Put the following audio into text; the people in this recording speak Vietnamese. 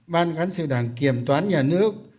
ban cán sự đảng kiểm toán nhà nước